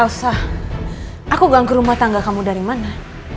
usah aku ganggu rumah tangga kamu dari mana